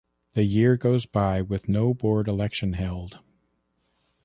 The year goes by with no board election held.